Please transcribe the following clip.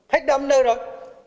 hết năm nơi rồi